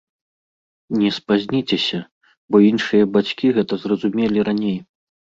Не спазніцеся, бо іншыя бацькі гэта зразумелі раней.